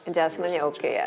adjustmentnya oke ya